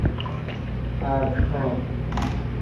اَردکام